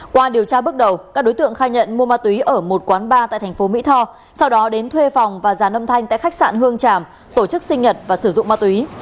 qua điều tra bước đầu các đối tượng khai nhận mua ma túy ở một quán bar tại thành phố mỹ tho sau đó đến thuê phòng và già âm thanh tại khách sạn hương tràm tổ chức sinh nhật và sử dụng ma túy